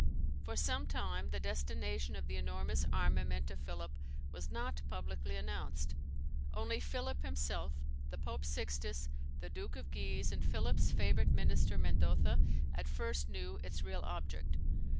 For some time the destination of the enormous armament of Philip was not publicly announced. Only Philip himself, the Pope Sixtus, the Duke of Guise, and Philip's favourite minister, Mendoza, at first knew its real object.